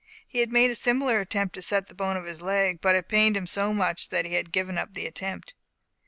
He had made a similar attempt to set the bone of his leg, but it pained him so much that he had given up the attempt.